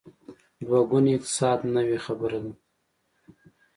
دوه ګونی اقتصاد نوې خبره ده.